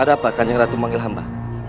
ada apa kanjeng ratu memanggil hamba